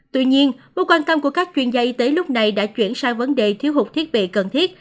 tuy nhiên mối quan tâm của các chuyên gia y tế lúc này đã chuyển sang vấn đề thiếu hụt thiết bị cần thiết